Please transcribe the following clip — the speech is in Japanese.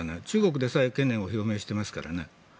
中国でさえ懸念を表明していますからね。